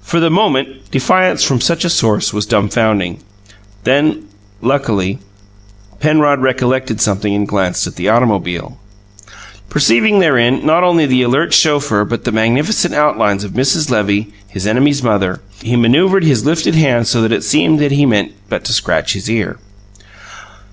For the moment, defiance from such a source was dumfounding. Then, luckily, Penrod recollected something and glanced at the automobile. Perceiving therein not only the alert chauffeur but the magnificent outlines of Mrs. Levy, his enemy's mother, he manoeuvred his lifted hand so that it seemed he had but meant to scratch his ear.